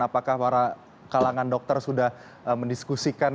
apakah para kalangan dokter sudah mendiskusikan